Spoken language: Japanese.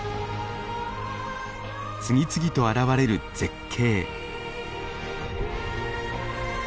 次々と現れる絶景。